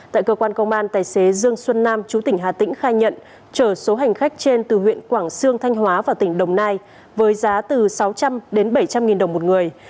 tại cơ quan công an tài xế dương xuân nam chú tỉnh hà tĩnh khai nhận chở số hành khách trên từ huyện quảng sương thanh hóa vào tỉnh đồng nai với giá từ sáu trăm linh đến bảy trăm linh nghìn đồng một người